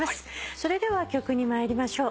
それでは曲に参りましょう。